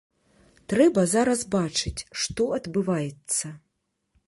Трэба зараз бачыць, што адбываецца.